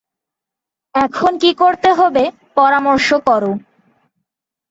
এখন কী করতে হবে, পরামর্শ করো।